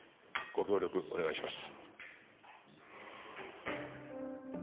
ご協力お願いします。